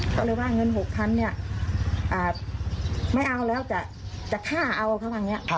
ก็เลยว่าเงิน๖๐๐๐เนี่ยไม่เอาแล้วจะฆ่าเอาครับวันนี้